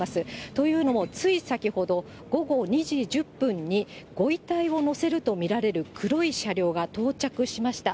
というのも、つい先ほど、午後２時１０分にご遺体を乗せると見られる黒い車両が到着しました。